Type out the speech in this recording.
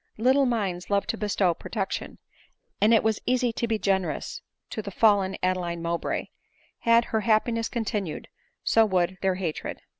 Little minds love to bestow protection ; and it was easy to be generous to the fallen Adeline Mowbray ; had her happiness continued, so would their hatred.